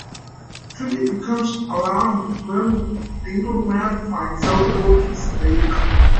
Duddy becomes alarmed when Dingleman finds out about his lake.